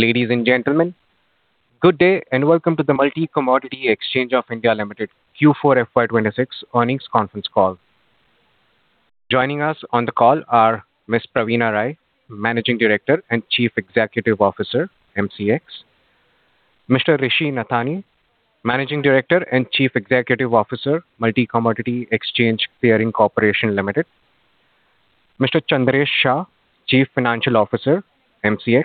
Ladies and gentlemen, good day and welcome to the Multi Commodity Exchange of India Limited Q4 FY 2026 Earnings Conference Call. Joining us on the call are Ms. Praveena Rai, Managing Director and Chief Executive Officer, MCX. Mr. Rishi Nathany, Managing Director and Chief Executive Officer, Multi Commodity Exchange Clearing Corporation Limited. Mr. Chandresh Shah, Chief Financial Officer, MCX,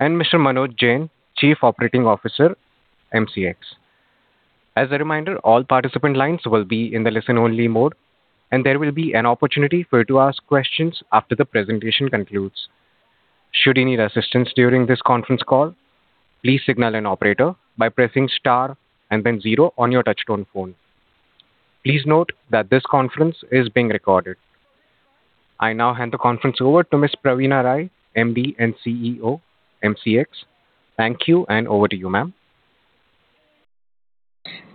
and Mr. Manoj Jain, Chief Operating Officer, MCX. As a reminder, all participant lines will be in the listen-only mode, and there will be an opportunity for you to ask questions after the presentation concludes. Should you need assistance during this conference call, please signal an operator by pressing star and then zero on your touchtone phone. Please note that this conference is being recorded. I now hand the conference over to Ms. Praveena Rai, MD and CEO, MCX. Thank you and over to you, ma'am.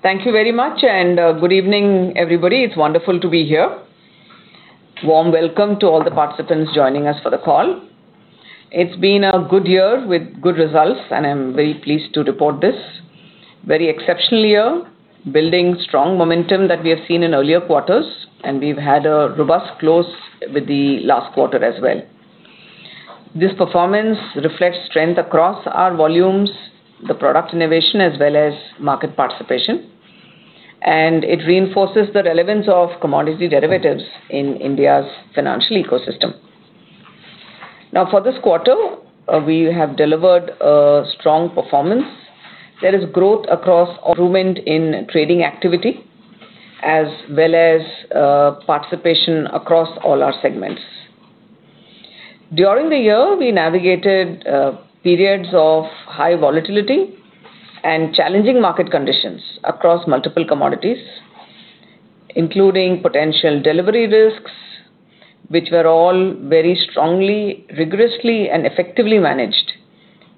Thank you very much. Good evening, everybody. It's wonderful to be here. Warm welcome to all the participants joining us for the call. It's been a good year with good results, and I'm very pleased to report this. Very exceptional year, building strong momentum that we have seen in earlier quarters, and we've had a robust close with the last quarter as well. This performance reflects strength across our volumes, the product innovation, as well as market participation, and it reinforces the relevance of commodity derivatives in India's financial ecosystem. For this quarter, we have delivered a strong performance. There is growth across improvement in trading activity as well as participation across all our segments. During the year, we navigated periods of high volatility and challenging market conditions across multiple commodities, including potential delivery risks, which were all very strongly, rigorously, and effectively managed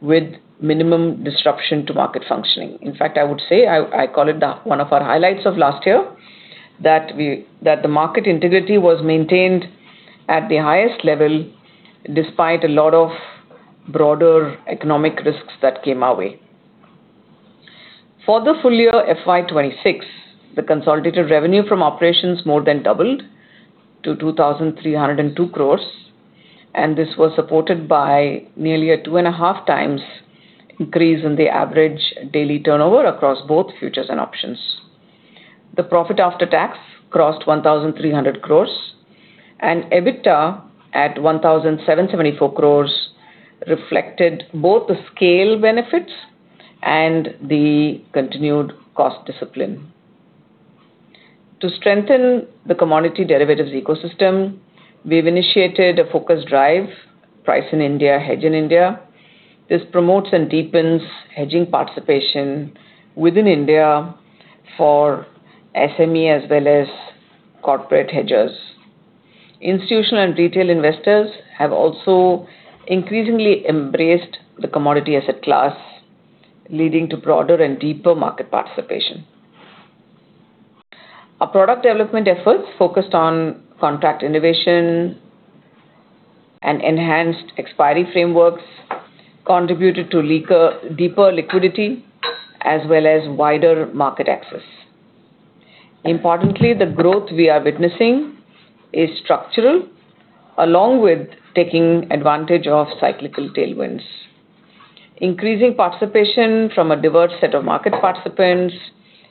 with minimum disruption to market functioning. In fact, I would say I call it one of our highlights of last year that the market integrity was maintained at the highest level despite a lot of broader economic risks that came our way. For the full year FY 2026, the consolidated revenue from operations more than doubled to 2,302 crores. This was supported by nearly a two and a half times increase in the average daily turnover across both futures and options. The profit after tax crossed 1,300 crores and EBITDA at 1,774 crores reflected both the scale benefits and the continued cost discipline. To strengthen the commodity derivatives ecosystem, we've initiated a focused drive, Price in India, Hedge in India. This promotes and deepens hedging participation within India for SME as well as corporate hedgers. Institutional and retail investors have also increasingly embraced the commodity asset class, leading to broader and deeper market participation. Our product development efforts focused on contract innovation and enhanced expiry frameworks contributed to deeper liquidity as well as wider market access. Importantly, the growth we are witnessing is structural, along with taking advantage of cyclical tailwinds. Increasing participation from a diverse set of market participants,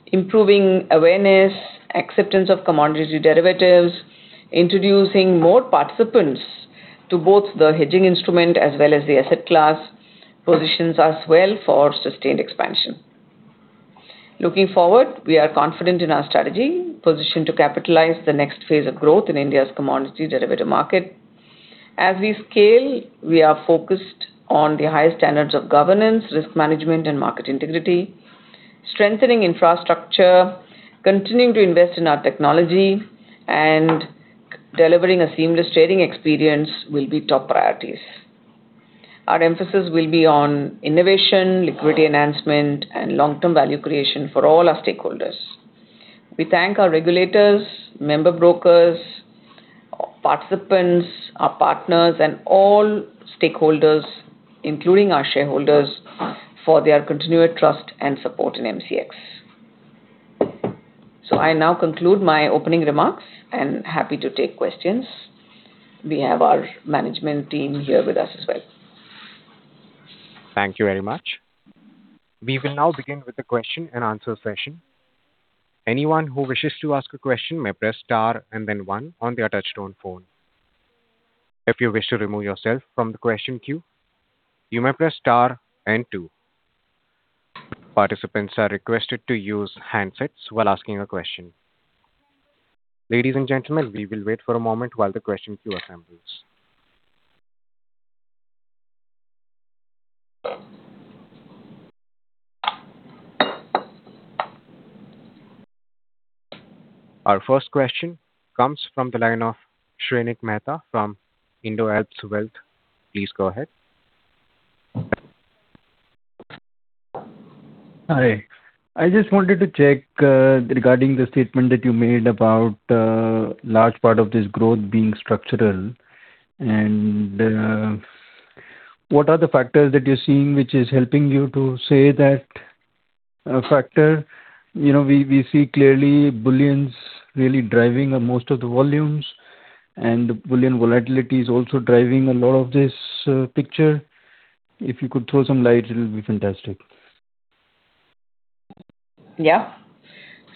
improving awareness, acceptance of commodity derivatives, introducing more participants to both the hedging instrument as well as the asset class positions us well for sustained expansion. Looking forward, we are confident in our strategy, positioned to capitalize the next phase of growth in India's commodity derivative market. As we scale, we are focused on the highest standards of governance, risk management, and market integrity. Strengthening infrastructure, continuing to invest in our technology, and delivering a seamless trading experience will be top priorities. Our emphasis will be on innovation, liquidity enhancement, and long-term value creation for all our stakeholders. We thank our regulators, member brokers, participants, our partners, and all stakeholders, including our shareholders, for their continued trust and support in MCX. I now conclude my opening remarks and happy to take questions. We have our management team here with us as well. Thank you very much. We will now begin with the question and answer session. Anyone who wishes to ask a question may press star and then one on their touch-tone phone. If you wish to remove yourself from the question queue you may press star and two. Participants are requested to use handsets while asking a question. Ladies and gentlemen we may wait for a moment while the question queue assembles. Our first question comes from the line of Shrenik Mehta from IndoAlps Wealth. Please go ahead. Hi. I just wanted to check, regarding the statement that you made about, large part of this growth being structural. What are the factors that you're seeing which is helping you to say that, factor? You know, we see clearly bullions really driving most of the volumes, and bullion volatility is also driving a lot of this, picture. If you could throw some light, it'll be fantastic. Yeah.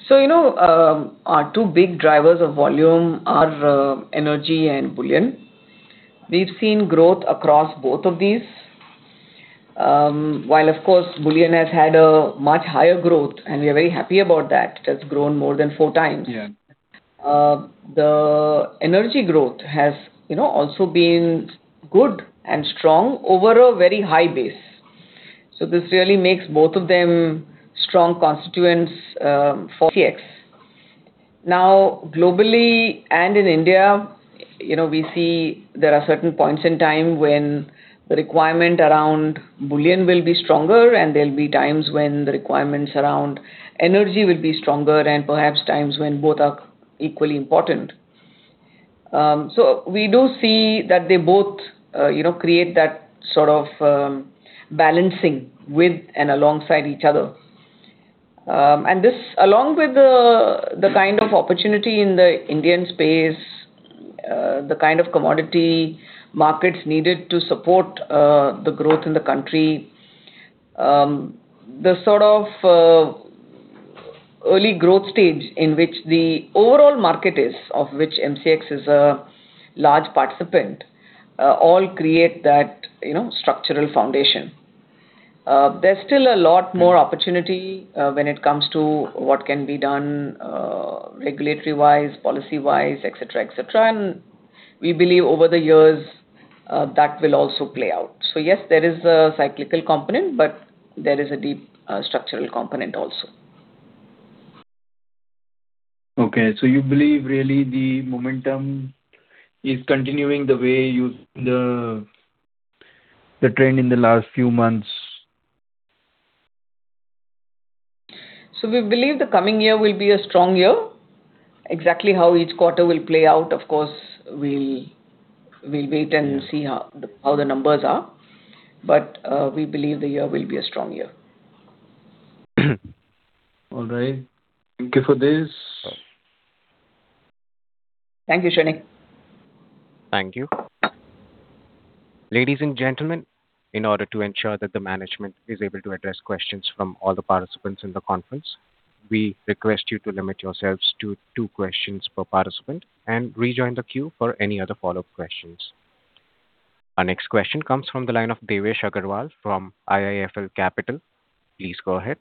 You know, our two big drivers of volume are energy and bullion. We've seen growth across both of these. While of course bullion has had a much higher growth, and we are very happy about that. It has grown more than four times. Yeah. The energy growth has, you know, also been good and strong over a very high base. This really makes both of them strong constituents for MCX. Globally and in India, you know, we see there are certain points in time when the requirement around bullion will be stronger, and there'll be times when the requirements around energy will be stronger and perhaps times when both are equally important. We do see that they both, you know, create that sort of balancing with and alongside each other. This along with the kind of opportunity in the Indian space, the kind of commodity markets needed to support the growth in the country, the sort of early growth stage in which the overall market is, of which MCX is a large participant, all create that, you know, structural foundation. There's still a lot more opportunity when it comes to what can be done, regulatory-wise, policy-wise, et cetera, et cetera, and we believe over the years, that will also play out. Yes, there is a cyclical component, but there is a deep structural component also. Okay. You believe really the momentum is continuing the way you the trend in the last few months? We believe the coming year will be a strong year. Exactly how each quarter will play out, of course, we'll wait and see how the numbers are. We believe the year will be a strong year. All right. Thank you for this. Thank you, Shrenik. Thank you. Ladies and gentlemen, in order to ensure that the management is able to address questions from all the participants in the conference, we request you to limit yourselves to two questions per participant and rejoin the queue for any other follow-up questions. Our next question comes from the line of Devesh Agarwal from IIFL Capital. Please go ahead.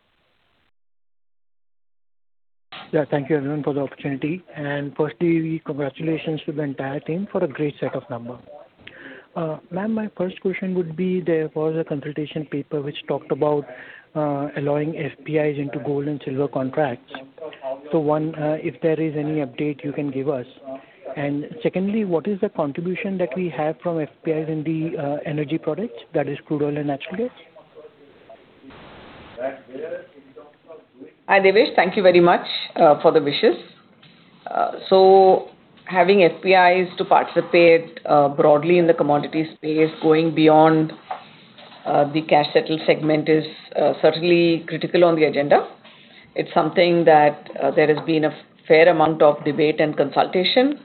Yeah. Thank you everyone for the opportunity. Firstly, congratulations to the entire team for a great set of numbers. Ma'am, my first question would be there was a consultation paper which talked about allowing FPIs into gold and silver contracts. One, if there is any update you can give us. Secondly, what is the contribution that we have from FPIs in the energy products, that is crude oil and natural gas? Hi, Devesh. Thank you very much for the wishes. Having FPIs to participate broadly in the commodity space going beyond the cash settle segment is certainly critical on the agenda. It's something that there has been a fair amount of debate and consultation.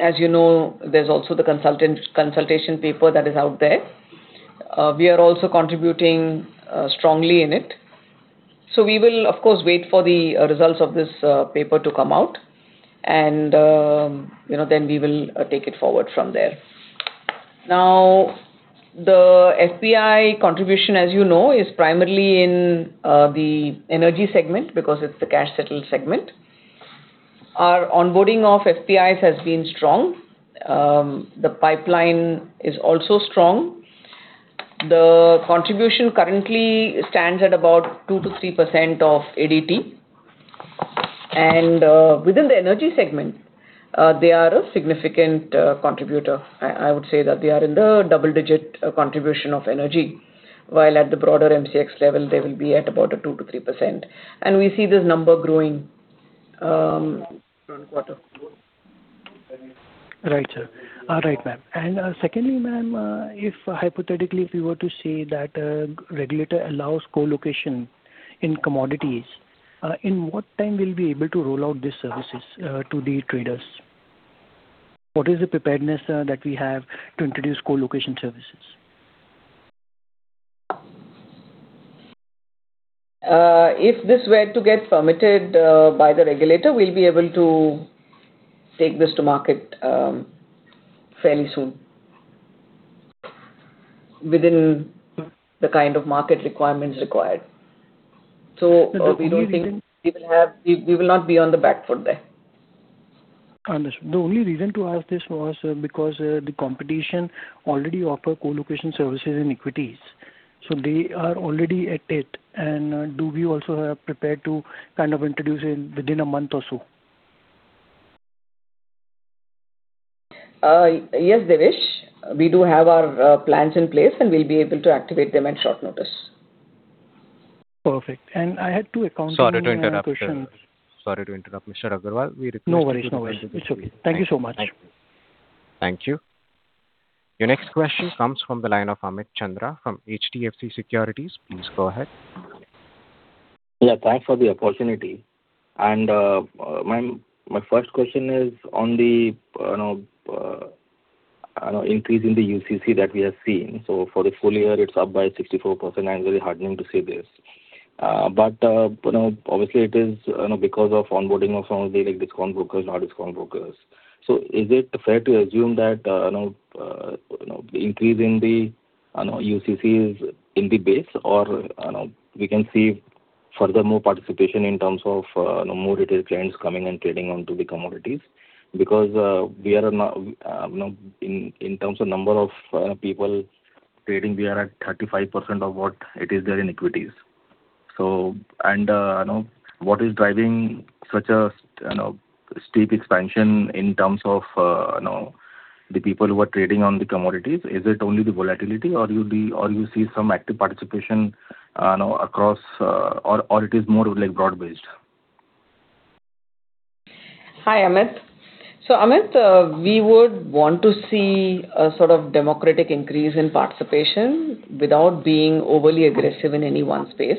As you know, there's also the consultant consultation paper that is out there. We are also contributing strongly in it. We will of course wait for the results of this paper to come out and, you know, then we will take it forward from there. The FPI contribution, as you know, is primarily in the energy segment because it's the cash settle segment. Our onboarding of FPIs has been strong. The pipeline is also strong. The contribution currently stands at about 2%-3% of ADT. Within the energy segment, they are a significant contributor. I would say that they are in the double-digit contribution of energy, while at the broader MCX level they will be at about a 2%-3%. We see this number growing, quarter-on-quarter. Right, sir. Right, ma'am. Secondly, ma'am, if hypothetically if we were to say that regulator allows co-location in commodities, in what time we'll be able to roll out these services to the traders? What is the preparedness that we have to introduce co-location services? If this were to get permitted, by the regulator, we'll be able to take this to market, fairly soon within the kind of market requirements required. We don't think we will not be on the back foot there. Understood. The only reason to ask this was because the competition already offer co-location services in equities, so they are already at it. Do we also have prepared to kind of introduce it within a month or so? Yes, Devesh. We do have our plans in place, and we'll be able to activate them at short notice. Perfect. I had two accounting-related questions. Sorry to interrupt, Mr. Agarwal. No worries. It's okay. Thank you so much. Thank you. Thank you. Your next question comes from the line of Amit Chandra from HDFC Securities. Please go ahead. Yeah, thanks for the opportunity. My first question is on the increase in the UCC that we have seen. For the full year, it's up by 64%, and very heartening to see this. Obviously it is because of onboarding of some of the discount brokers, non-discount brokers. Is it fair to assume that the increase in the UCC is in the base or we can see further more participation in terms of more retail clients coming and trading onto the commodities? We are now in terms of number of people trading, we are at 35% of what it is there in equities. What is driving such a, you know, steep expansion in terms of, you know, the people who are trading on the commodities? Is it only the volatility or you see some active participation, you know, across, or it is more of like broad-based? Hi, Amit. Amit, we would want to see a sort of democratic increase in participation without being overly aggressive in any one space.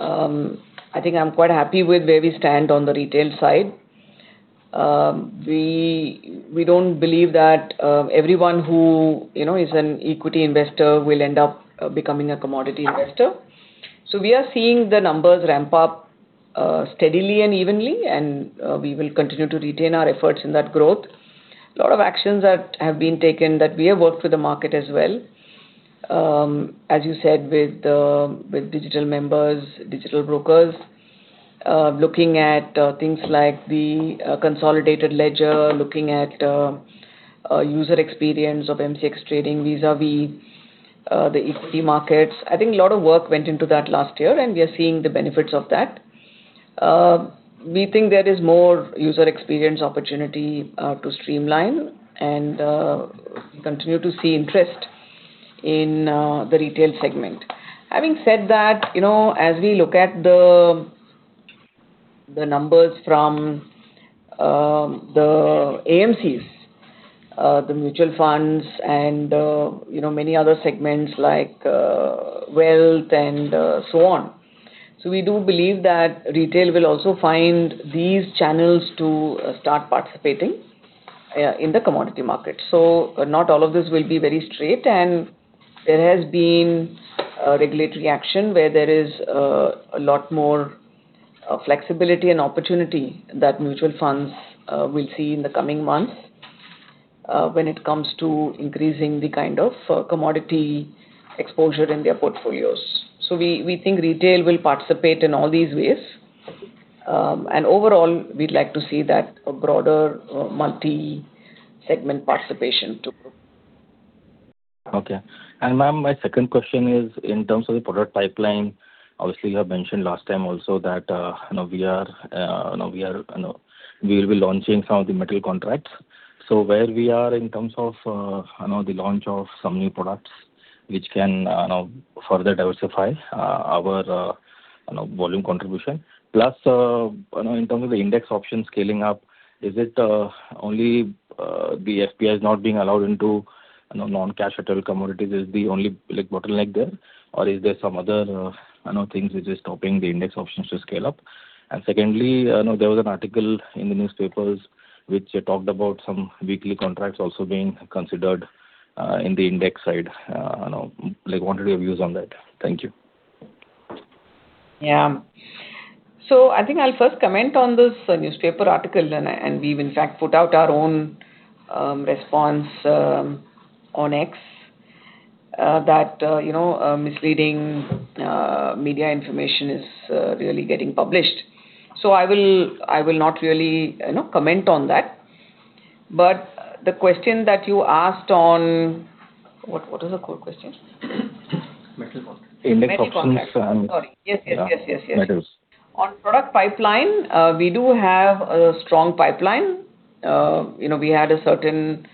I think I'm quite happy with where we stand on the retail side. We don't believe that, everyone who, you know, is an equity investor will end up becoming a commodity investor. We are seeing the numbers ramp up, steadily and evenly and, we will continue to retain our efforts in that growth. A lot of actions that have been taken that we have worked with the market as well, as you said, with digital members, digital brokers, looking at things like the consolidated ledger, looking at user experience of MCX trading vis-a-vis the equity markets. I think a lot of work went into that last year, and we are seeing the benefits of that. We think there is more user experience opportunity to streamline and continue to see interest in the retail segment. Having said that, you know, as we look at the numbers from the AMCs, the mutual funds and, you know, many other segments like wealth and so on. We do believe that retail will also find these channels to start participating in the commodity market. Not all of this will be very straight. There has been a regulatory action where there is a lot more flexibility and opportunity that mutual funds will see in the coming months when it comes to increasing the kind of commodity exposure in their portfolios. We think retail will participate in all these ways. Overall, we'd like to see that a broader multi-segment participation to grow. Okay. ma'am, my second question is in terms of the product pipeline, obviously you have mentioned last time also that, you know, we will be launching some of the metal contracts. Where we are in terms of, you know, the launch of some new products which can, you know, further diversify our, you know, volume contribution. you know, in terms of the index options scaling up, is it only the FPI is not being allowed into, you know, non-cash settled commodities is the only like bottleneck there? Is there some other, you know, things which is stopping the index options to scale up? Secondly, you know, there was an article in the newspapers which talked about some weekly contracts also being considered in the index side. You know, like what are your views on that? Thank you. Yeah. I think I'll first comment on this newspaper article then, and we've in fact put out our own response on X that, you know, misleading media information is really getting published. I will not really, you know, comment on that. The question that you asked on, what is the core question? Metal contracts. Index options. Metal contracts. Sorry. Yes. Yes. Yes. Yes. Yes. Metals. On product pipeline, we do have a strong pipeline. You know, we had a certain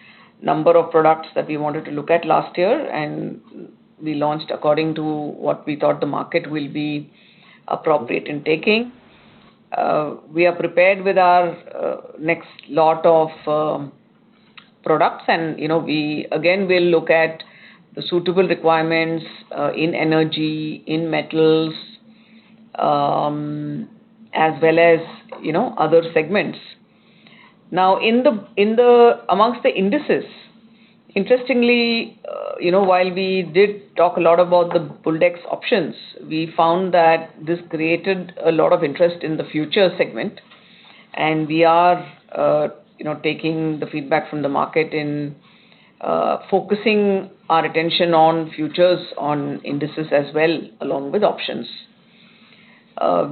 number of products that we wanted to look at last year, we launched according to what we thought the market will be appropriate in taking. We are prepared with our next lot of products, and, you know, we again will look at the suitable requirements in energy, in metals, as well as, you know, other segments. Now amongst the indices, interestingly, you know, while we did talk a lot about the BULLDEX options, we found that this created a lot of interest in the future segment, and we are, you know, taking the feedback from the market in focusing our attention on futures on indices as well along with options.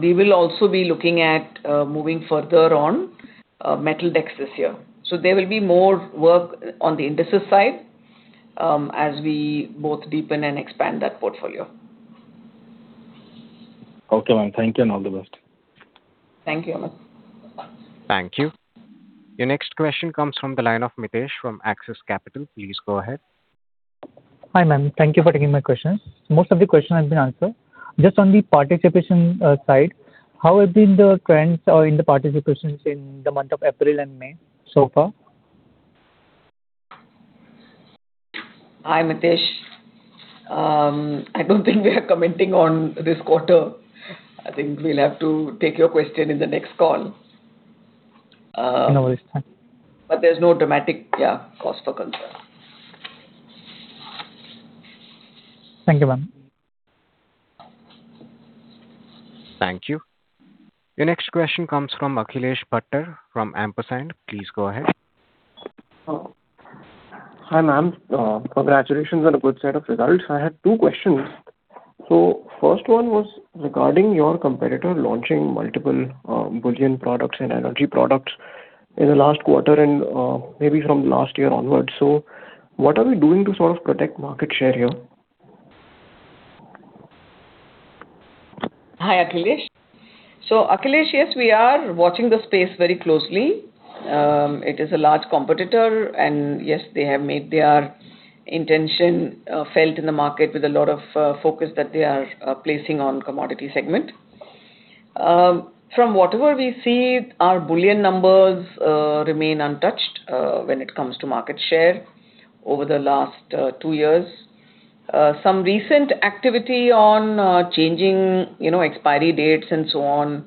We will also be looking at, moving further on, METLDEX this year. There will be more work on the indices side, as we both deepen and expand that portfolio. Okay, ma'am. Thank you, and all the best. Thank you, Amit. Thank you. Your next question comes from the line of Mitesh from Axis Capital. Please go ahead. Hi, ma'am. Thank you for taking my questions. Most of the questions have been answered. Just on the participation side, how have been the trends in the participations in the month of April and May so far? Hi, Mitesh. I don't think we are commenting on this quarter. I think we'll have to take your question in the next call. No worries. Thank you. There's no dramatic, yeah, cause for concern. Thank you, ma'am. Thank you. Your next question comes from Akhilesh Bhatter from Ampersand. Please go ahead. Hi, ma'am. Congratulations on a good set of results. I had two questions. First one was regarding your competitor launching multiple bullion products and energy products in the last quarter and maybe from last year onwards. What are we doing to sort of protect market share here? Hi, Akhilesh. Akhilesh, yes, we are watching the space very closely. It is a large competitor, and yes, they have made their intention felt in the market with a lot of focus that they are placing on commodity segment. From whatever we see, our bullion numbers remain untouched when it comes to market share over the last two years. Some recent activity on changing, you know, expiry dates and so on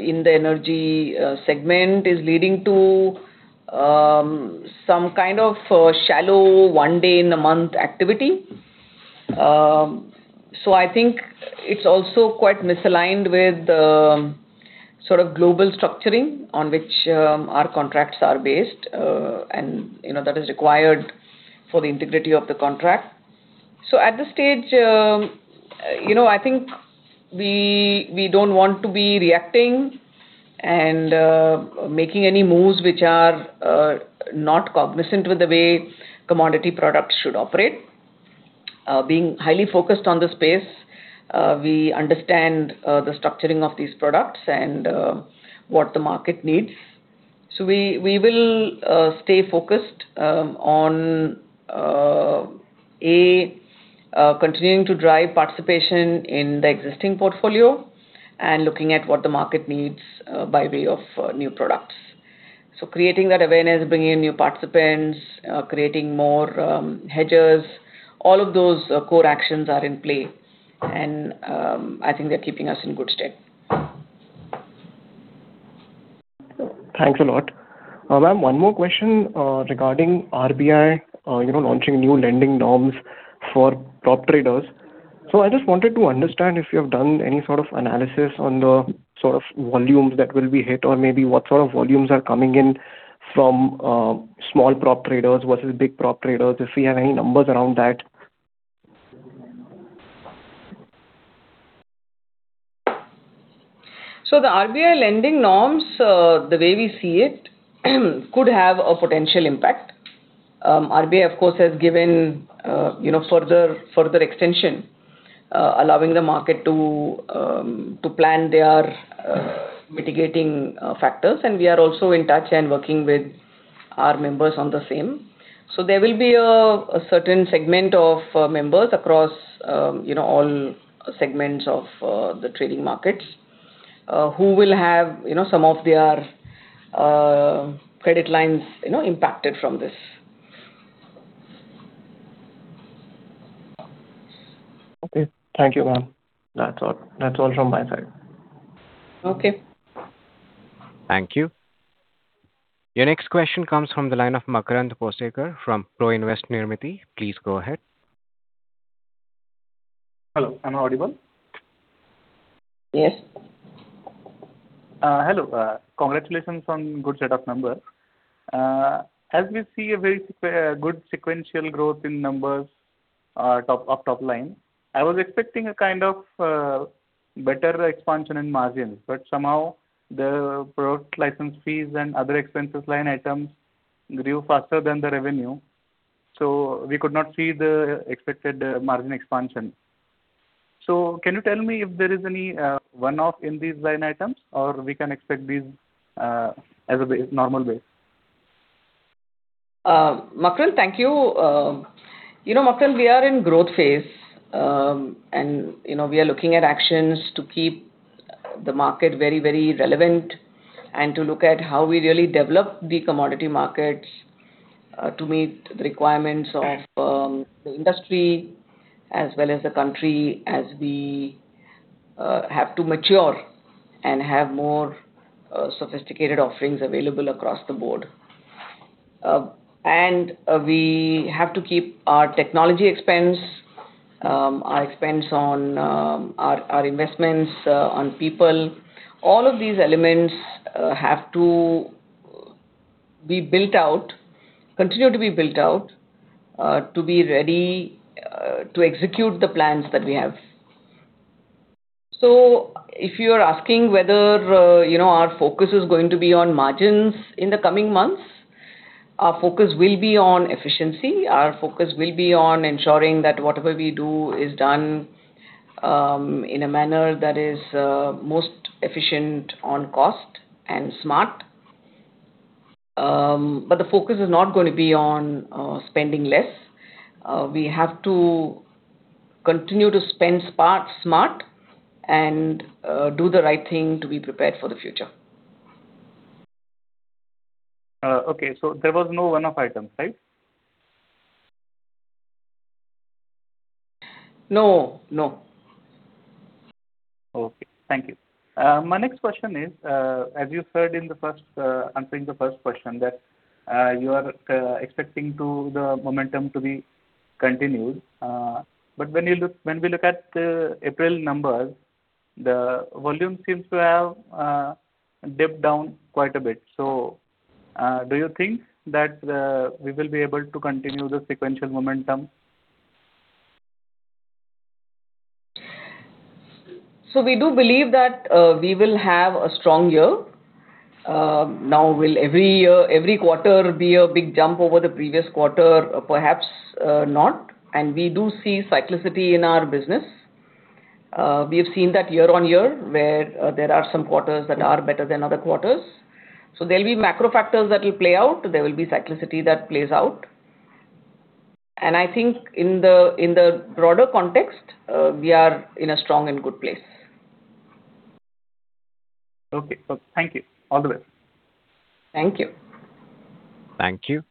in the energy segment is leading to some kind of a shallow one day in a month activity. I think it's also quite misaligned with the sort of global structuring on which our contracts are based. You know, that is required for the integrity of the contract. At this stage, you know, I think we don't want to be reacting and making any moves which are not cognizant with the way commodity products should operate. Being highly focused on the space, we understand the structuring of these products and what the market needs. We, we will stay focused on A continuing to drive participation in the existing portfolio and looking at what the market needs by way of new products. Creating that awareness, bringing in new participants, creating more hedgers, all of those core actions are in play and I think they're keeping us in good stead. Thanks a lot. ma'am, one more question, regarding RBI, you know, launching new lending norms for prop traders. I just wanted to understand if you have done any sort of analysis on the sort of volumes that will be hit or maybe what sort of volumes are coming in from, small prop traders versus big prop traders, if we have any numbers around that. The RBI lending norms, the way we see it, could have a potential impact. RBI, of course, has given, you know, further extension, allowing the market to plan their mitigating factors, and we are also in touch and working with our members on the same. There will be a certain segment of members across, you know, all segments of the trading markets, who will have, you know, some of their credit lines, you know, impacted from this. Okay. Thank you, ma'am. That's all. That's all from my side. Okay. Thank you. Your next question comes from the line of Makarand Bhosekar from Proinvest Nirmiti. Please go ahead. Hello, am I audible? Yes. Hello. Congratulations on good set of numbers. As we see a very good sequential growth in numbers, top line, I was expecting a kind of better expansion in margins, but somehow the product license fees and other expenses line items grew faster than the revenue, so we could not see the expected margin expansion. Can you tell me if there is any one-off in these line items or we can expect these as a normal base? Makarand, thank you. You know, Makarand, we are in growth phase, and, you know, we are looking at actions to keep the market very, very relevant and to look at how we really develop the commodity markets to meet the requirements of the industry as well as the country as we have to mature and have more sophisticated offerings available across the board. We have to keep our technology expense, our expense on our investments on people. All of these elements have to be built out, continue to be built out, to be ready to execute the plans that we have. If you're asking whether, you know, our focus is going to be on margins in the coming months. Our focus will be on efficiency. Our focus will be on ensuring that whatever we do is done in a manner that is most efficient on cost and smart. The focus is not gonna be on spending less. We have to continue to spend smart and do the right thing to be prepared for the future. Okay. There was no one-off item, right? No. Okay. Thank you. My next question is, as you said in the first answering the first question that you are expecting to the momentum to be continued. When we look at April numbers, the volume seems to have dipped down quite a bit. Do you think that we will be able to continue the sequential momentum? We do believe that we will have a strong year. Now, will every year, every quarter be a big jump over the previous quarter? Perhaps, not. We do see cyclicity in our business. We have seen that year-on-year, where there are some quarters that are better than other quarters. There'll be macro factors that will play out. There will be cyclicity that plays out. I think in the, in the broader context, we are in a strong and good place. Okay, cool. Thank you. All the best. Thank you. Thank you.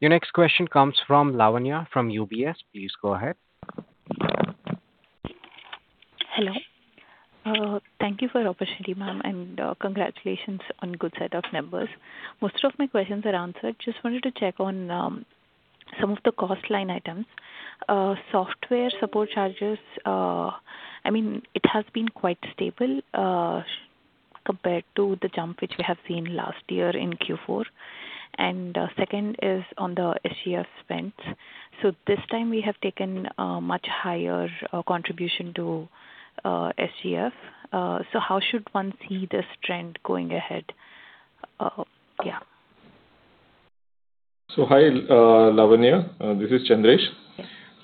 Your next question comes from Lavanya from UBS. Please go ahead. Hello. Thank you for the opportunity, ma'am. Congratulations on good set of numbers. Most of my questions are answered. Just wanted to check on some of the cost line items. Software support charges, I mean it has been quite stable compared to the jump which we have seen last year in Q4. Second is on the SGF spend. This time we have taken a much higher contribution to SGF. How should one see this trend going ahead? Hi, Lavanya. This is Chandresh.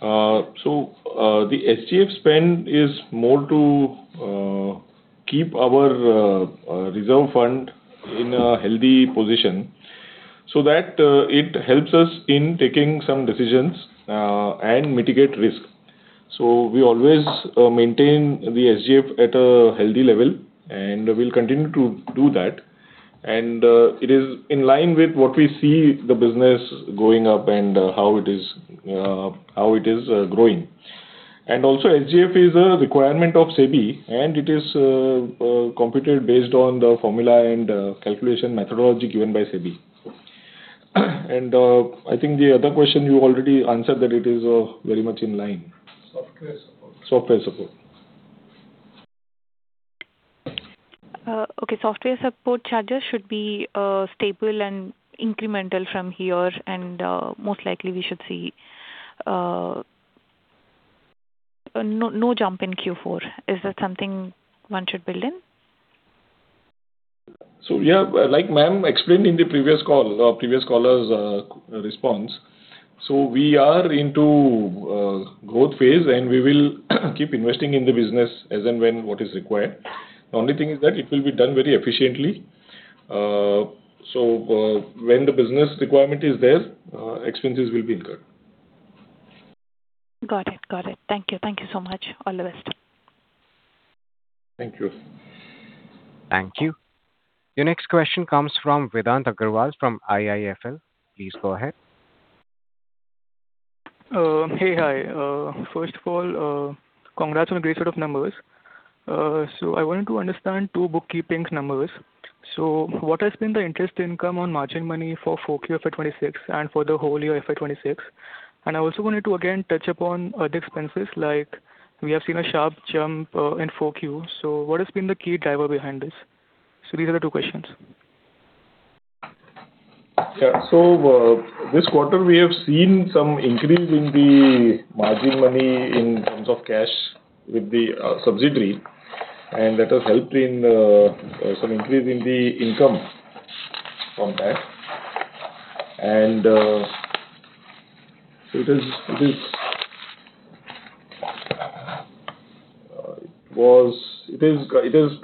The SGF spend is more to keep our reserve fund in a healthy position so that it helps us in taking some decisions and mitigate risk. We always maintain the SGF at a healthy level, and we'll continue to do that. It is in line with what we see the business going up and how it is growing. Also, SGF is a requirement of SEBI, and it is computed based on the formula and calculation methodology given by SEBI. I think the other question you already answered that it is very much in line. Software support. Software support. Okay, software support charges should be stable and incremental from here and most likely we should see no jump in Q4. Is that something one should build in? Yeah, like ma'am explained in the previous call, previous caller's response, so we are into growth phase, and we will keep investing in the business as and when what is required. The only thing is that it will be done very efficiently. When the business requirement is there, expenses will be incurred. Got it. Thank you so much. All the best. Thank you. Thank you. Your next question comes from Vedant Agarwal from IIFL. Please go ahead. Hey. Hi. First of all, congrats on a great set of numbers. I wanted to understand two bookkeeping numbers. What has been the interest income on margin money for 4Q FY 2026 and for the whole year FY 2026? I also wanted to again touch upon other expenses, like we have seen a sharp jump in 4Q. What has been the key driver behind this? These are the two questions. This quarter we have seen some increase in the margin money in terms of cash with the subsidiary, and that has helped in some increase in the income from that. Sorry, it is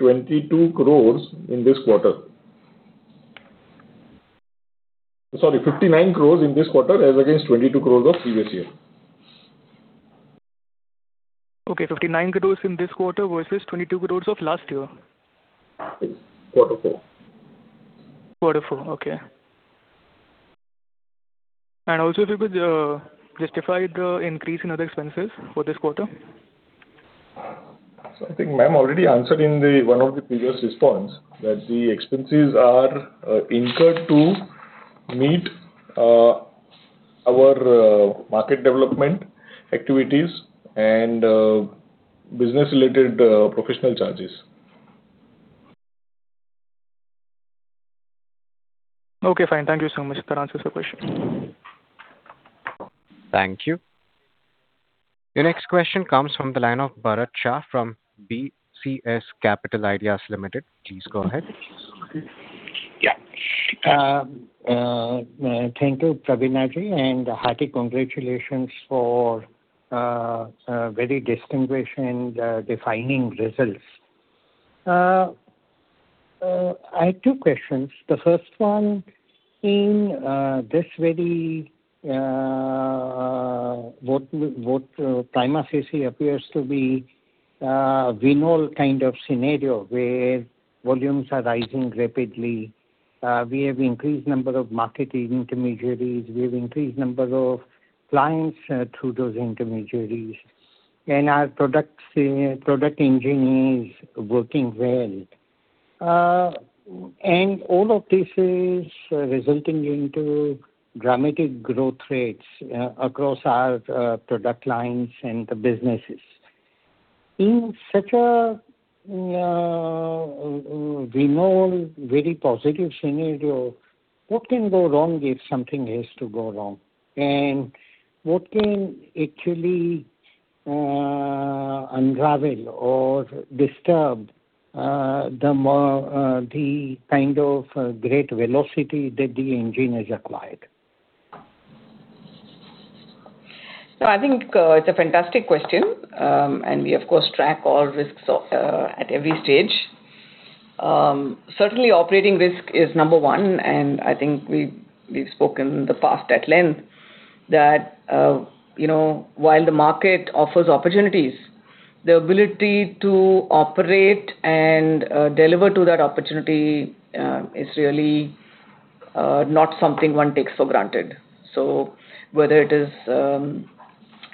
59 crores in this quarter as against 22 crores of previous year. Okay, 59 crores in this quarter versus 22 crores of last year. Quarter 4. Quarter 4, okay. Also if you could justify the increase in other expenses for this quarter. I think Ma'am already answered in the one of the previous response that the expenses are incurred to meet our market development activities and business-related professional charges. Okay, fine. Thank you so much. That answers the question. Thank you. Your next question comes from the line of Bharat Shah from BCS Capital Ideas Limited. Please go ahead. Thank you, Praveena, and hearty congratulations for very distinguished and defining results. I have two questions. The first one, in this very, what prima facie appears to be a renewal kind of scenario where volumes are rising rapidly. We have increased number of market intermediaries. We have increased number of clients through those intermediaries. Our products, product engine is working well. All of this is resulting into dramatic growth rates across our product lines and the businesses. In such a renewal very positive scenario, what can go wrong if something is to go wrong? What can actually unravel or disturb the kind of great velocity that the engine has acquired? No, I think it's a fantastic question. And we of course track all risks at every stage. Certainly operating risk is number 1, and I think we've spoken in the past at length that, you know, while the market offers opportunities, the ability to operate and deliver to that opportunity is really not something one takes for granted. Whether it is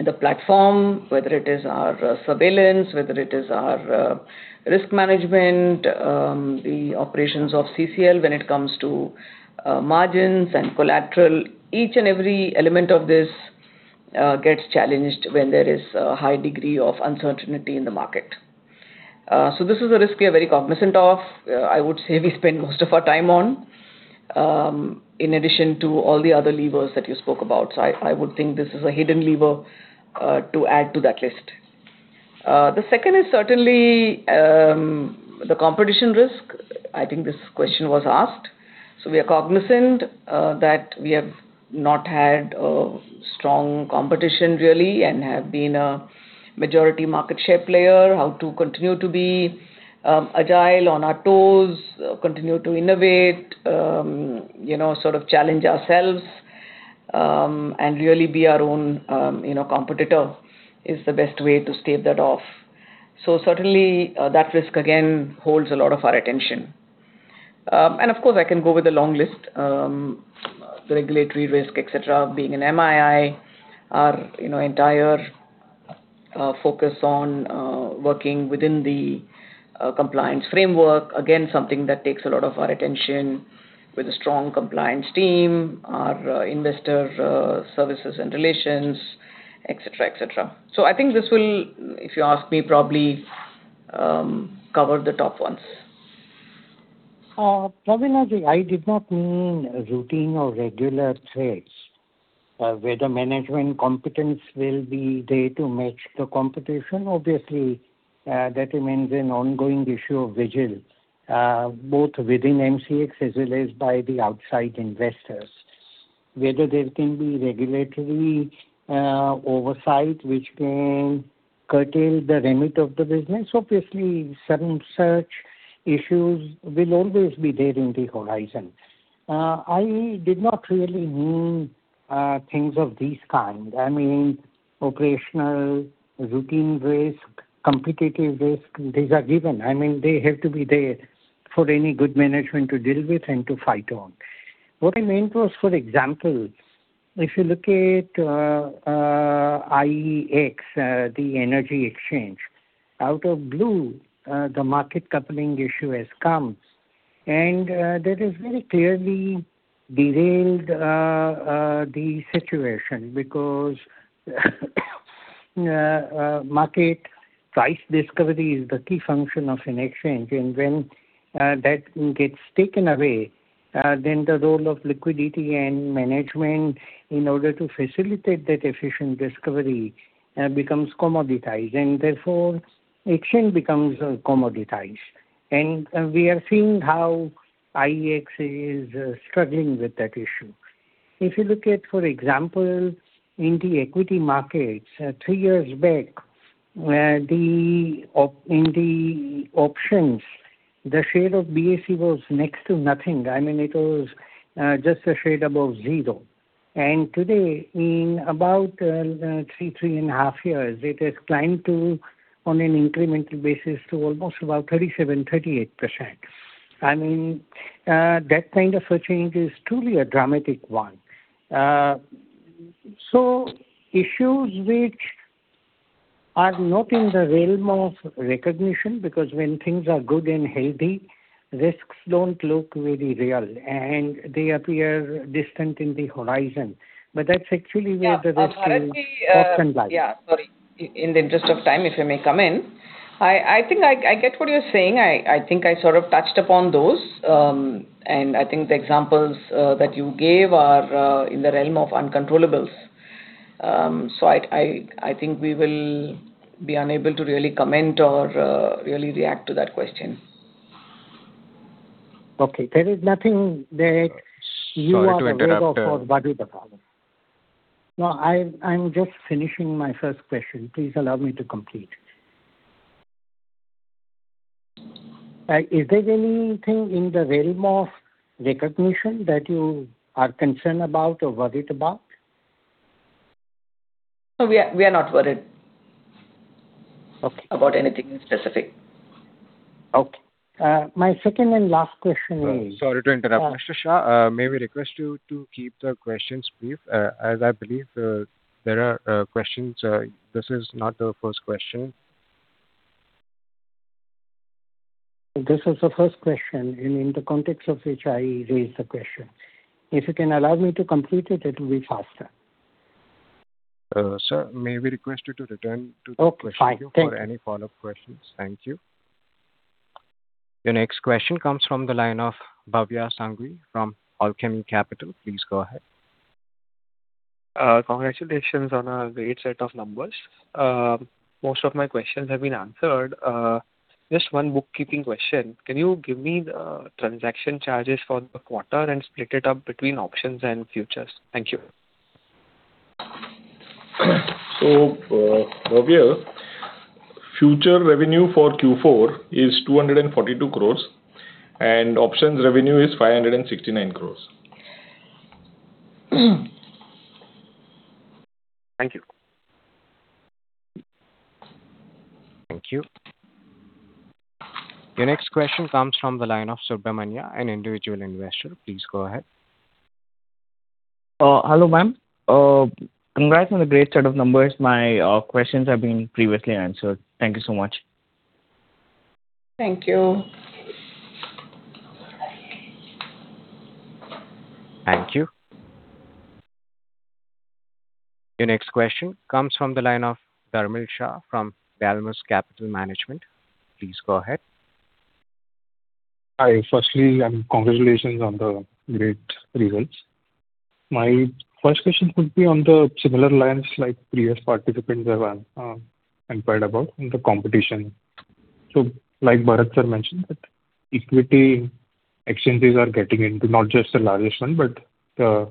the platform, whether it is our surveillance, whether it is our risk management, the operations of CCL when it comes to margins and collateral, each and every element of this gets challenged when there is a high degree of uncertainty in the market. This is a risk we are very cognizant of, I would say we spend most of our time on, in addition to all the other levers that you spoke about. I would think this is a hidden lever to add to that list. The second is certainly the competition risk. I think this question was asked. We are cognizant that we have not had a strong competition really, and have been a majority market share player. How to continue to be agile on our toes, continue to innovate, you know, sort of challenge ourselves, and really be our own, you know, competitor is the best way to stave that off. Certainly, that risk again holds a lot of our attention. Of course, I can go with a long list. Regulatory risk, et cetera, being an MII, our, you know, entire focus on working within the compliance framework. Again, something that takes a lot of our attention with a strong compliance team, our investor services and relations, et cetera, et cetera. I think this will, if you ask me, probably, cover the top ones. Praveena Ji, I did not mean routine or regular threats. Whether management competence will be there to match the competition, obviously, that remains an ongoing issue of vigil, both within MCX as well as by the outside investors. Whether there can be regulatory oversight which can curtail the remit of the business. Obviously, certain such issues will always be there in the horizon. I did not really mean things of this kind. I mean operational routine risk, competitive risk, these are given. I mean, they have to be there for any good management to deal with and to fight on. What I meant was, for example, if you look at IEX, the energy exchange, out of blue, the market coupling issue has come. That has very clearly derailed the situation because market price discovery is the key function of an exchange. When that gets taken away, then the role of liquidity and management in order to facilitate that efficient discovery becomes commoditized, and therefore exchange becomes commoditized. We are seeing how IEX is struggling with that issue. If you look at, for example, in the equity markets, three years back, in the options, the share of BSE was next to nothing. I mean, it was just a shade above zero. Today, in about 3 and a half years, it has climbed to, on an incremental basis, to almost about 37%, 38%. I mean, that kind of a change is truly a dramatic one. Issues which are not in the realm of recognition, because when things are good and healthy, risks don't look very real, and they appear distant in the horizon. That's actually where the risk is often lies. Yeah. Bharat Ji, Yeah, sorry. In the interest of time, if you may come in, I think I get what you're saying. I think I sort of touched upon those. I think the examples that you gave are in the realm of uncontrollables. I think we will be unable to really comment or really react to that question. Okay. There is nothing that you are aware of or worried about. Sorry to interrupt. No, I'm just finishing my first question. Please allow me to complete. Is there anything in the realm of recognition that you are concerned about or worried about? No, we are not worried. Okay About anything specific. Okay. My second and last question. Sorry to interrupt, Mr. Shah. May we request you to keep the questions brief, as I believe there are questions. This is not the first question. This is the first question in the context of which I raised the question. If you can allow me to complete it will be faster. Sir, may we request you to return to the queue. Okay, fine. Thank you for any follow-up questions. Thank you. The next question comes from the line of Bhavya Sanghvi from Alchemy Capital. Please go ahead. Congratulations on a great set of numbers. Most of my questions have been answered. Just one bookkeeping question. Can you give me the transaction charges for the quarter and split it up between options and futures? Thank you. Bhavya, future revenue for Q4 is 242 crores and options revenue is 569 crores. Thank you. Thank you. The next question comes from the line of Subrahmanya, an individual investor. Please go ahead. Hello, ma'am. Congrats on the great set of numbers. My questions have been previously answered. Thank you so much. Thank you. Thank you. The next question comes from the line of Dharmil Shah from Dalmus Capital Management. Please go ahead. Hi. Firstly, congratulations on the great results. My first question would be on the similar lines like previous participants have enquired about the competition. Like Bharat Shah mentioned that equity exchanges are getting into not just the largest one, but the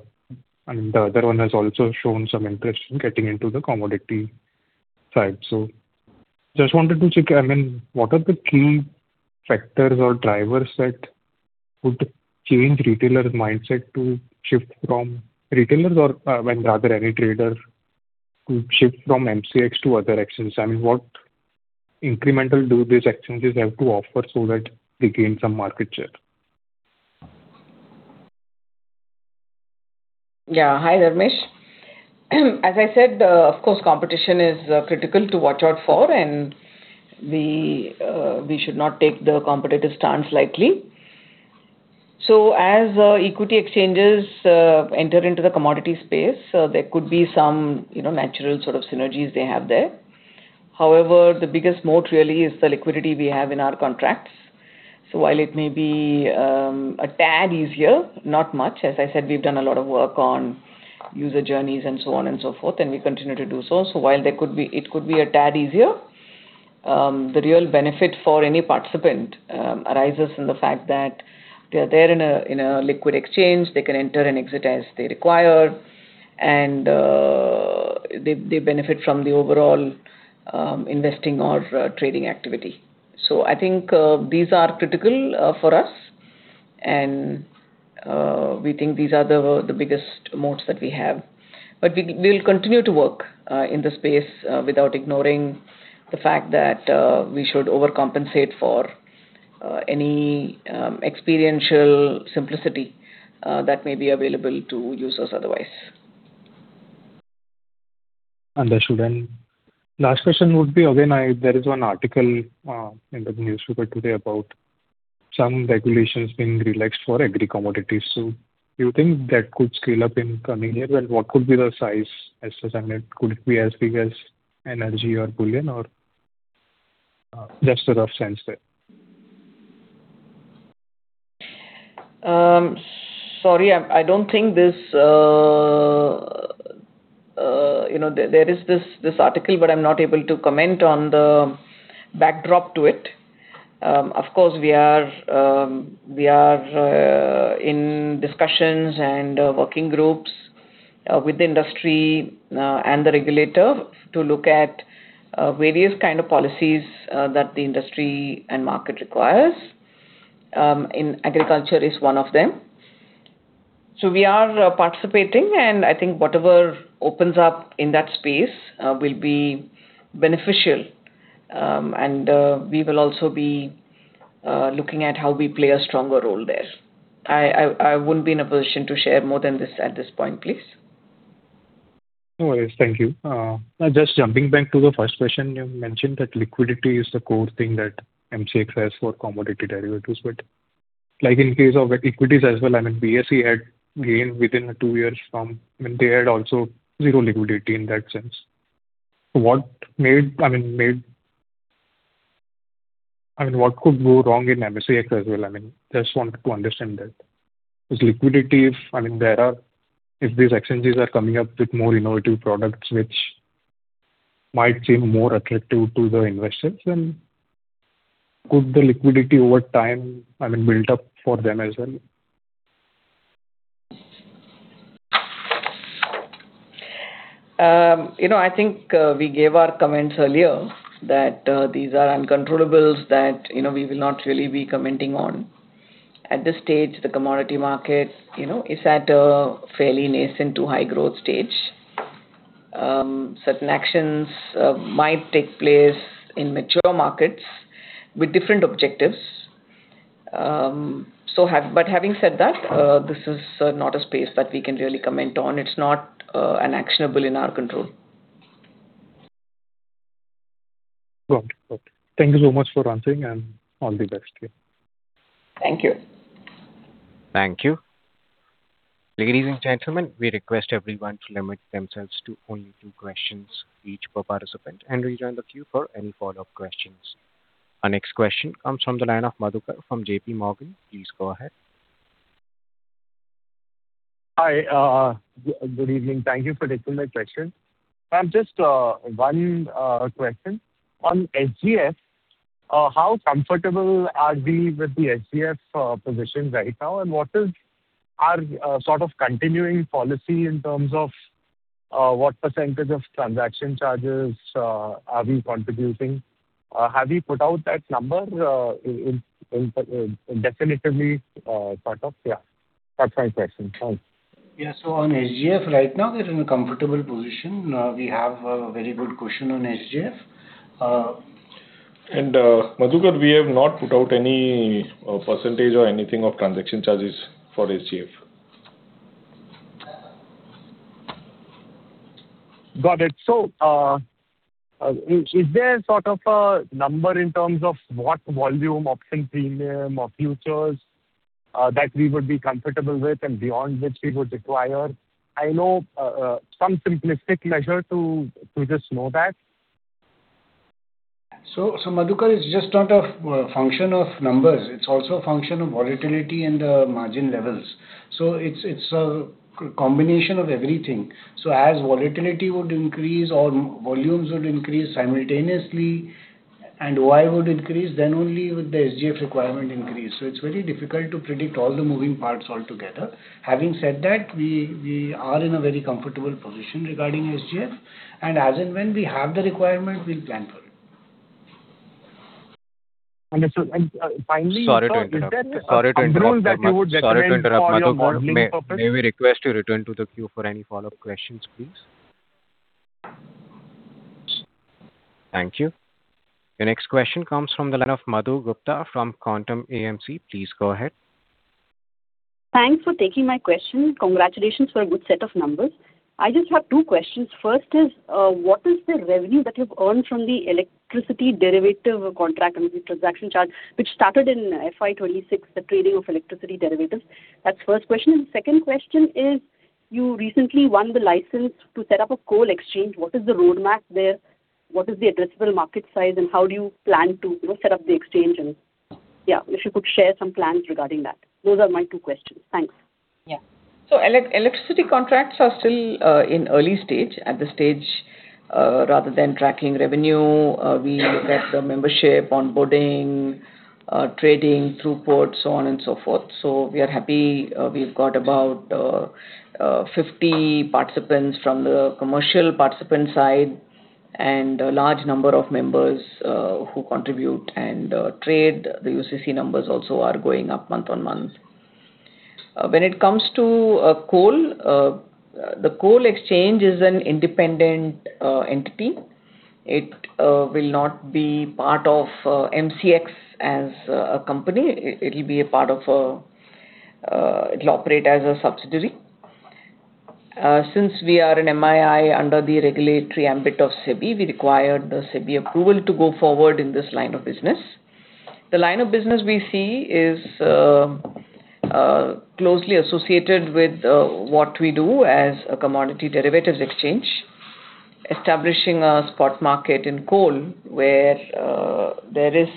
other one has also shown some interest in getting into the commodity side. Just wanted to check, I mean, what are the key factors or drivers that would change retailers mindset to shift from retailers or, when rather any trader to shift from MCX to other exchanges? I mean, what incremental do these exchanges have to offer so that they gain some market share? Yeah. Hi, Dharmil. As I said, of course, competition is critical to watch out for and we should not take the competitive stance lightly. As equity exchanges enter into the commodity space, there could be some, you know, natural sort of synergies they have there. However, the biggest moat really is the liquidity we have in our contracts. While it may be a tad easier, not much, as I said, we've done a lot of work on user journeys and so on and so forth, and we continue to do so. While there could be a tad easier, the real benefit for any participant arises from the fact that they are there in a liquid exchange. They can enter and exit as they require and they benefit from the overall investing or trading activity. I think these are critical for us and we think these are the biggest moats that we have. We'll continue to work in the space without ignoring the fact that we should overcompensate for any experiential simplicity that may be available to users otherwise. Understood. Last question would be, again, I there is one article in the newspaper today about some regulations being relaxed for agri-commodities. Do you think that could scale up in coming years? What could be the size as percentage? Could it be as big as energy or bullion or just a rough sense there. Sorry, I don't think this, you know there is this article, but I'm not able to comment on the backdrop to it. Of course, we are in discussions and working groups with the industry and the regulator to look at various kind of policies that the industry and market requires. Agriculture is one of them. We are participating, and I think whatever opens up in that space will be beneficial. We will also be looking at how we play a stronger role there. I wouldn't be in a position to share more than this at this point, please. No worries. Thank you. Now just jumping back to the first question. You mentioned that liquidity is the core thing that MCX has for commodity derivatives, but like in case of equities as well, I mean, BSE had gained within two years from when they had also zero liquidity in that sense. What could go wrong in MCX as well? I mean, I just wanted to understand that. Liquidity, if these exchanges are coming up with more innovative products which might seem more attractive to the investors, then could the liquidity over time, I mean, build up for them as well? You know, I think, we gave our comments earlier that, these are uncontrollables that, you know, we will not really be commenting on. At this stage, the commodity market, you know, is at a fairly nascent to high growth stage. Certain actions might take place in mature markets with different objectives. Having said that, this is not a space that we can really comment on. It's not an actionable in our control. Got it. Got it. Thank you so much for answering, and all the best. Yeah. Thank you. Thank you. Ladies and gentlemen, we request everyone to limit themselves to only two questions each per participant and rejoin the queue for any follow-up questions. Our next question comes from the line of Madhukar from JPMorgan. Please go ahead. Hi. Good evening. Thank you for taking my question. Ma'am just, one question. On SGF, how comfortable are we with the SGF position right now? What is our sort of continuing policy in terms of what percentage of transaction charges are we contributing? Have you put out that number in definitively part of? Yeah. That's my question. Thanks. Yeah. On SGF right now we're in a comfortable position. We have a very good cushion on SGF. Madhukar, we have not put out any % or anything of transaction charges for SGF. Got it. Is there sort of a number in terms of what volume option premium or futures that we would be comfortable with and beyond which we would require, I know, some simplistic measure to just know that? Madhukar it's just not a function of numbers, it's also a function of volatility and the margin levels. It's a combination of everything. As volatility would increase or volumes would increase simultaneously and Y would increase, then only would the SGF requirement increase. It's very difficult to predict all the moving parts altogether. Having said that, we are in a very comfortable position regarding SGF, and as and when we have the requirement, we'll plan for it. Understood. Sorry to interrupt. Sorry to interrupt, Madhukar. Is there a number that you would recommend for your modeling purpose? Sorry to interrupt, Madhukar. May we request you return to the queue for any follow-up questions, please? Thank you. The next question comes from the line of Madhu Gupta from Quantum AMC. Please go ahead. Thanks for taking my question. Congratulations for a good set of numbers. I just have two questions. First is, what is the revenue that you've earned from the electricity derivative contract, I mean, the transaction charge which started in FY 2026, the trading of electricity derivatives? That's first question. Second question is, you recently won the license to set up a coal exchange. What is the roadmap there? What is the addressable market size, and how do you plan to, you know, set up the exchange and Yeah, if you could share some plans regarding that. Those are my two questions. Thanks. Yeah. Electricity contracts are still in early stage. At this stage, rather than tracking revenue, we look at the membership, onboarding, trading throughput, so on and so forth. We are happy. We've got about 50 participants from the commercial participant side and a large number of members who contribute and trade. The UCC numbers also are going up month on month. When it comes to coal, the coal exchange is an independent entity. It will not be part of MCX as a company. It'll operate as a subsidiary. Since we are an MII under the regulatory ambit of SEBI, we require the SEBI approval to go forward in this line of business. The line of business we see is closely associated with what we do as a commodity derivatives exchange. Establishing a spot market in coal where there is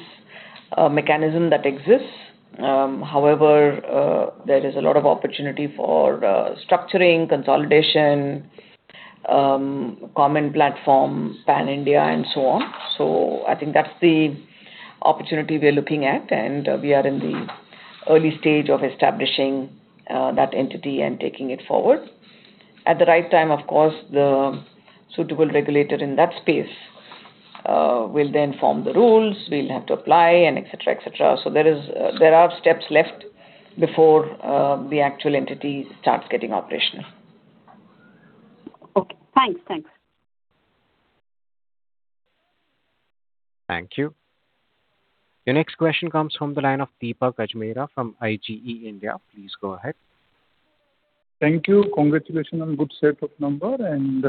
a mechanism that exists. However, there is a lot of opportunity for structuring, consolidation, common platform, pan-India and so on. I think that's the opportunity we are looking at, and we are in the early stage of establishing that entity and taking it forward. At the right time, of course, the suitable regulator in that space will then form the rules. We'll have to apply and et cetera, et cetera. There is, there are steps left before the actual entity starts getting operational. Okay. Thanks. Thanks. Thank you. The next question comes from the line of Deepak Ajmera from IGE India. Please go ahead. Thank you. Congratulations on good set of number and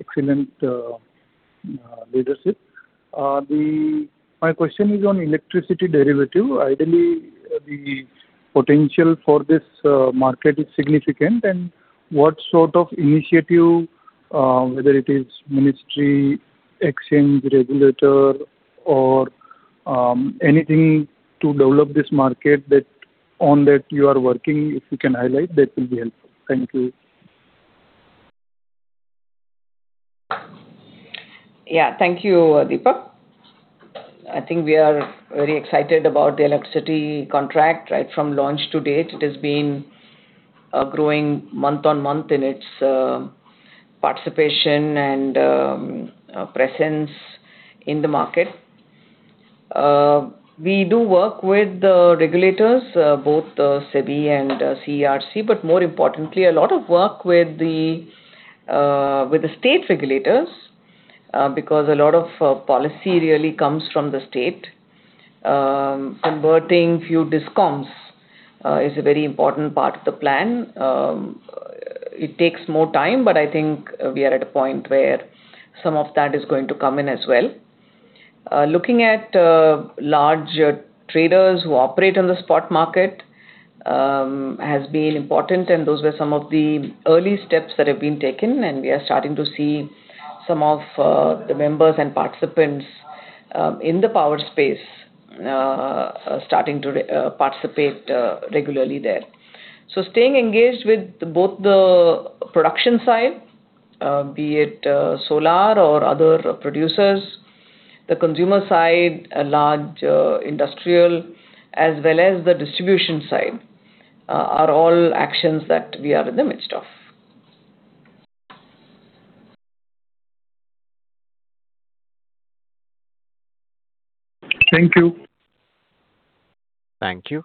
excellent leadership. My question is on electricity derivative. Ideally, the potential for this market is significant and what sort of initiative, whether it is ministry, exchange regulator or anything to develop this market that on that you are working, if you can highlight, that will be helpful. Thank you. Thank you, Deepak. I think we are very excited about the electricity contract. Right from launch to date, it has been growing month-on-month in its participation and presence in the market. We do work with the regulators, both SEBI and CERC, more importantly, a lot of work with the state regulators, because a lot of policy really comes from the state. Converting few DISCOMs is a very important part of the plan. It takes more time, I think we are at a point where some of that is going to come in as well. Looking at large traders who operate on the spot market has been important, and those were some of the early steps that have been taken, and we are starting to see some of the members and participants in the power space starting to participate regularly there. Staying engaged with both the production side, be it solar or other producers, the consumer side, a large industrial, as well as the distribution side, are all actions that we are in the midst of. Thank you. Thank you.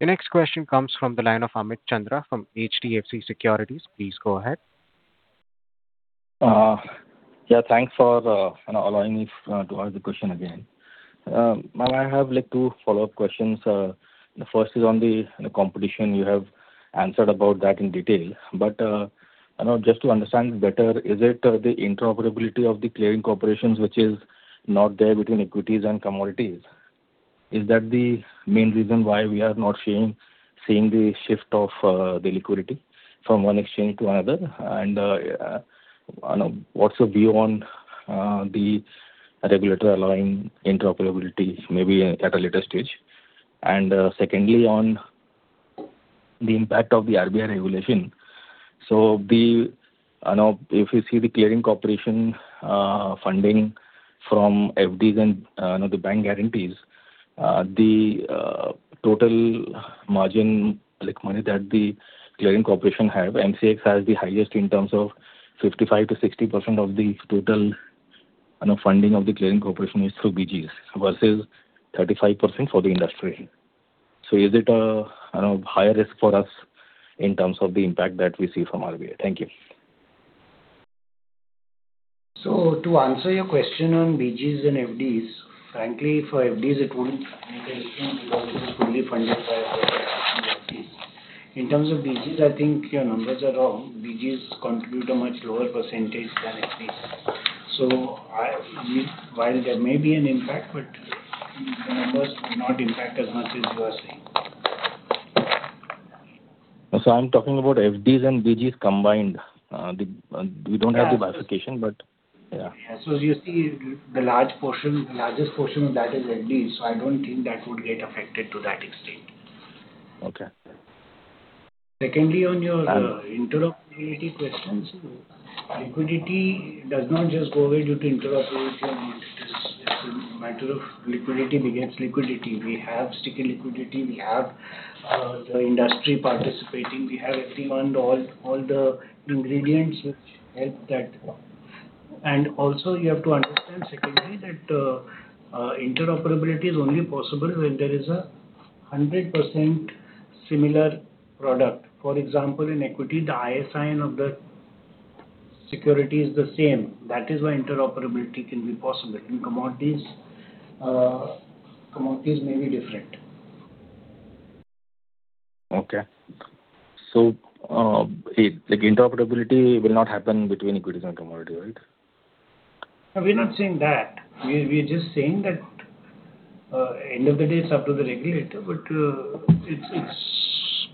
The next question comes from the line of Amit Chandra from HDFC Securities. Please go ahead. Yeah, thanks for, you know, allowing me to ask the question again. Ma'am, I have, like, two follow-up questions. The first is on the, you know, competition. You have answered about that in detail. You know, just to understand better, is it the interoperability of the clearing corporations which is not there between equities and commodities? Is that the main reason why we are not seeing the shift of the liquidity from one exchange to another? You know, what's your view on the regulator allowing interoperability maybe at a later stage? Secondly, on the impact of the RBI regulation. The I know if you see the clearing corporation, funding from FDs and, you know, the bank guarantees, the total margin, like money that the clearing corporation have, MCX has the highest in terms of 55%-60% of the total, you know, funding of the clearing corporation is through BGs versus 35% for the industry. Is it a, you know, higher risk for us in terms of the impact that we see from RBI? Thank you. To answer your question on BGs and FDs, frankly, for FDs it wouldn't make a difference because it is fully funded by FDs. In terms of BGs, I think your numbers are wrong. BGs contribute a much lower percentage than FDs. While there may be an impact, but the numbers do not impact as much as you are saying. I'm talking about FDs and BGs combined. We don't have the bifurcation, but yeah. Yeah. You see the large portion, the largest portion of that is FDs, so I don't think that would get affected to that extent. Okay. Secondly, on your interoperability questions, liquidity does not just go away due to interoperability. It is just a matter of liquidity begets liquidity. We have sticky liquidity. We have the industry participating. We have everyone, all the ingredients which help that. You have to understand secondly that interoperability is only possible when there is a 100% similar product. For example, in equity, the ISIN of the security is the same. That is why interoperability can be possible. In commodities may be different. Okay. Like interoperability will not happen between equities and commodity, right? No, we're not saying that. We're just saying that end of the day it's up to the regulator, but it's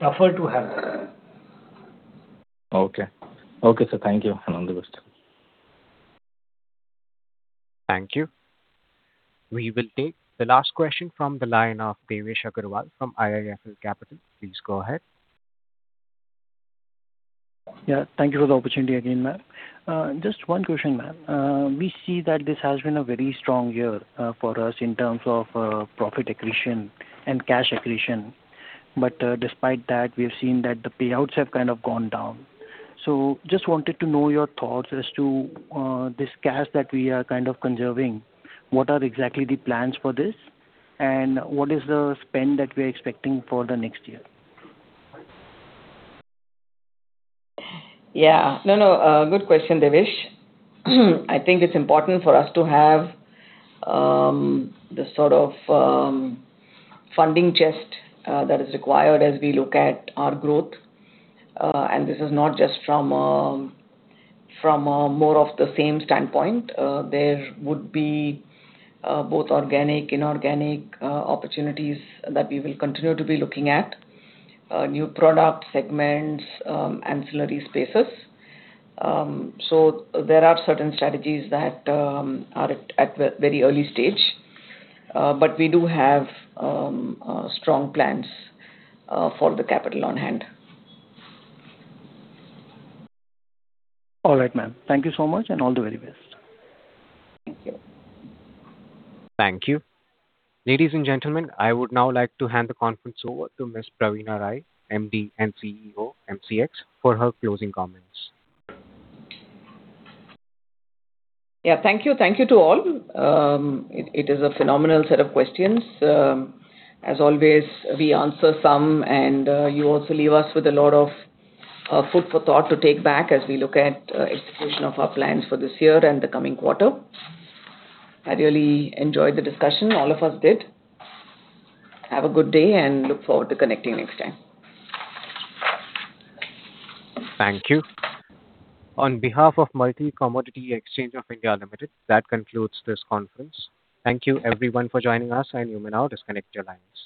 tougher to happen. Okay. Okay, sir. Thank you, and all the best. Thank you. We will take the last question from the line of Devesh Agarwal from IIFL Capital. Please go ahead. Yeah. Thank you for the opportunity again, ma'am. Just one question, ma'am. We see that this has been a very strong year for us in terms of profit accretion and cash accretion. Despite that, we have seen that the payouts have kind of gone down. Just wanted to know your thoughts as to this cash that we are kind of conserving. What are exactly the plans for this, and what is the spend that we are expecting for the next year? Yeah. No, no, good question, Devesh. I think it's important for us to have the sort of funding chest that is required as we look at our growth. This is not just from from more of the same standpoint. There would be both organic, inorganic opportunities that we will continue to be looking at. New product segments, ancillary spaces. There are certain strategies that are at the very early stage. We do have strong plans for the capital on hand. All right, ma'am. Thank you so much, and all the very best. Thank you. Thank you. Ladies and gentlemen, I would now like to hand the conference over to Ms. Praveena Rai, MD and CEO, MCX, for her closing comments. Yeah. Thank you. Thank you to all. It is a phenomenal set of questions. As always, we answer some and you also leave us with a lot of food for thought to take back as we look at execution of our plans for this year and the coming quarter. I really enjoyed the discussion. All of us did. Have a good day, and look forward to connecting next time. Thank you. On behalf of Multi Commodity Exchange of India Limited, that concludes this conference. Thank you everyone for joining us. You may now disconnect your lines.